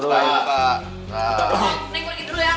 neng mau ikut dulu ya